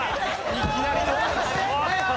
いきなりおっと！